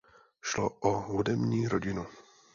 Šlo o hudební rodinu.